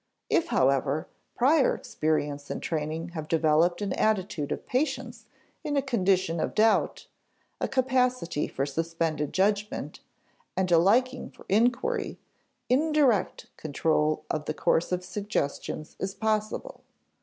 If, however, prior experience and training have developed an attitude of patience in a condition of doubt, a capacity for suspended judgment, and a liking for inquiry, indirect control of the course of suggestions is possible.